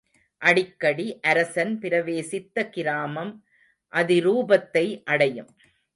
அடிக்கடி அரசன் பிரவேசித்த கிராமம் அதிரூபத்தை அடையும்.